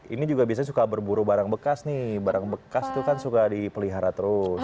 ini juga biasanya suka berburu barang bekas nih barang bekas itu kan suka dipelihara terus